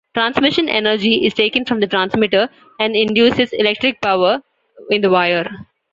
Transmission energy is taken from the transmitter, and induces electrical power in the wire.